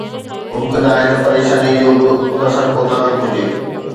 ممڪن آهي ته پريشانيءَ جو به ان سان ڪو تعلق هجي